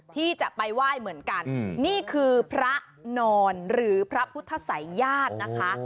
ที่จะไปไหว้เหมือนกันนี่คือพระนอนหรือพระพุทธศัยญาตินะคะ